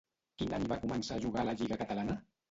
Quin any va començar a jugar a la Lliga catalana?